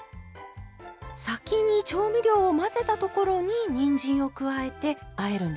先に調味料を混ぜたところににんじんを加えてあえるんですね。